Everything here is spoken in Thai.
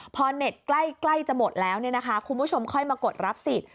พอเน็ตใกล้จะหมดแล้วคุณผู้ชมค่อยมากดรับสิทธิ